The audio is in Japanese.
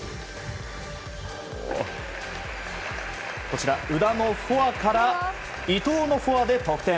こちら宇田のフォアから伊藤のフォアで得点。